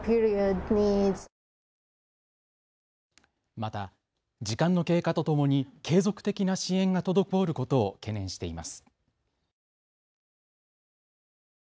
また時間の経過とともに継続的な支援が滞ることを懸念しています。